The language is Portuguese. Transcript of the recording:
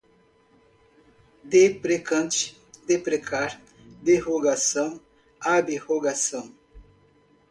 deprecante, deprecar, derrogação, ab-rogação